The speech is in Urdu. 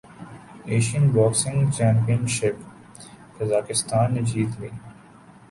Asian boxing championship Kazakhstan نے جیت لی